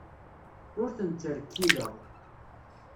Ur ten-ttrekkileɣ.